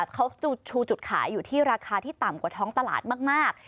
เขาชูจุดขายอยู่ที่ราคาที่ต่ำกว่าท้องตลาดมาก